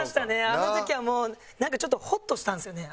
あの時はもうなんかちょっとホッとしたんですよね